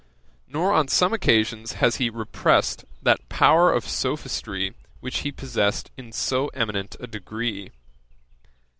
Nor on some occasions has he repressed that power of sophistry which he possessed in so eminent a degree.